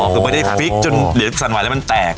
คือไม่ได้ฟิกจนเหรียญสั่นไหวแล้วมันแตก